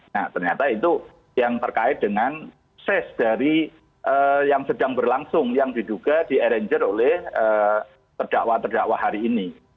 nah ternyata itu yang terkait dengan ses dari yang sedang berlangsung yang diduga di arranger oleh terdakwa terdakwa hari ini